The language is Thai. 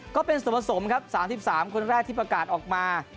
ก็เป็นส่วนผสมครับ๓๓คนแรกที่ประกาศออกมา